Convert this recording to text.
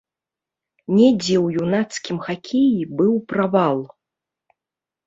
Недзе ў юнацкім хакеі быў правал.